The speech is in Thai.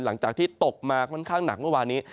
หลังจากที่ตกมาค่อนข้างหนักเมื่อวานี้